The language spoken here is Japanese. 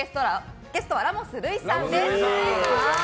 ゲストはラモス瑠偉さんです。